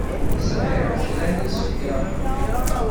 Sɛiɣ kra n yisefka.